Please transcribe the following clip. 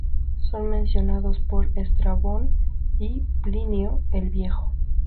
Son mencionados por Estrabón y Plinio "El Viejo".